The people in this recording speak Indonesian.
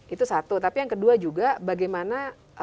itu satu tapi yang kedua juga bagaimana